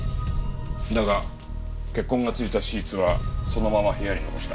だが血痕がついたシーツはそのまま部屋に残した。